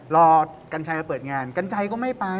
กัญชัยมาเปิดงานกัญชัยก็ไม่ไป